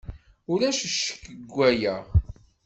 Ulac ccek deg waya.